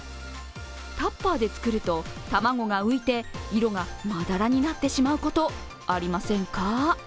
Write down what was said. タッパーで作ると、卵が浮いて色がまだらになってしまうこと、ありませんか？